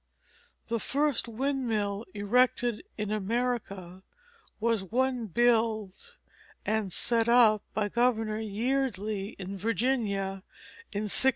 The first windmill erected in America was one built and set up by Governor Yeardley in Virginia in 1621.